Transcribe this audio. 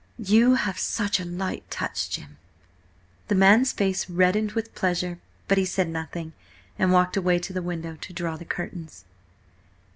"You have such a light touch, Jim." The man's face reddened with pleasure, but he said nothing, and walked away to the window to draw the curtains.